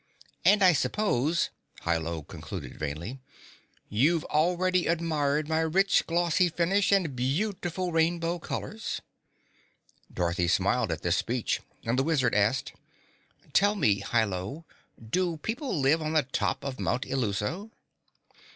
And I suppose," Hi Lo concluded vainly, "you've already admired my rich, glossy finish and beautiful rainbow colors." Dorothy smiled at this speech, and the Wizard asked, "Tell me, Hi Lo, do people live on the top of Mount Illuso?"